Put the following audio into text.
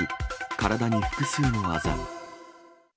体に複数のあざ。